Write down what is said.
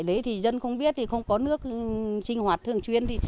đấy thì dân không biết thì không có nước sinh hoạt thường chuyên